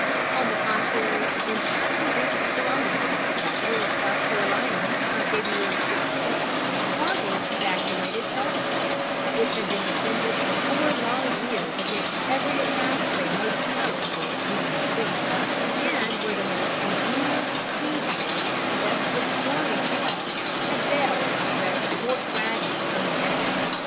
On the contrary, when Sherman reached Columbia, the capital of South Carolina, on February 16, Hardee evacuated Charleston, which had been defended for four long years against every attack of a most powerful Union fleet, and where the most ingenious siege works and desperate storming assault had failed to wrest Fort Wagner from the enemy.